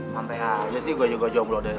sampai akhirnya sih gue juga jomblo dari